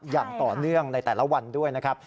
อย่างต่อเนื่องในแต่ละวันด้วยนะครับ